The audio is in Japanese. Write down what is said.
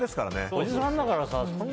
おじさんだからさ。